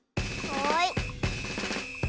はい。